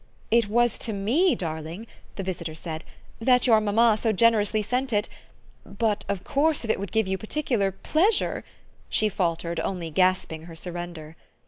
"It was to ME, darling," the visitor said, "that your mamma so generously sent it; but of course if it would give you particular pleasure " she faltered, only gasping her surrender.